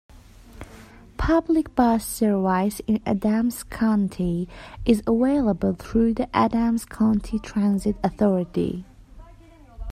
Public bus service in Adams County is available through the Adams County Transit Authority.